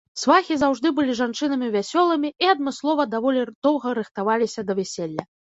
Свахі заўжды былі жанчынамі вясёлымі і адмыслова даволі доўга рыхтаваліся да вяселля.